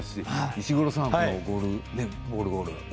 石黒さん、ゴールボール。